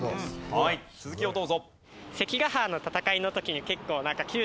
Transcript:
はい続きをどうぞ。